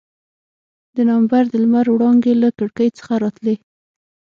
د نومبر د لمر وړانګې له کړکۍ څخه راتلې.